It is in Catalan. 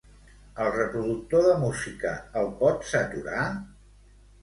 El reproductor de música, el pots aturar?